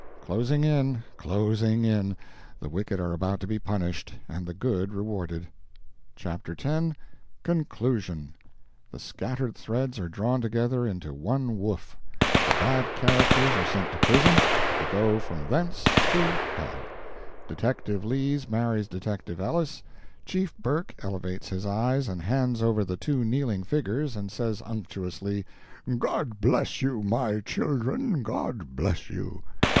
"—closing in, closing in; the wicked are about to be punished, and the good rewarded. Chapter X.—"Conclusion." The scattered threads are drawn together into one woof; the bad characters are sent to prison, to go from thence to [hell]; detective Lees marries detective Ellis; Chief Burke elevates his eyes and hands over the two kneeling figures and says unctuously, "God bless you my children—God bless you!"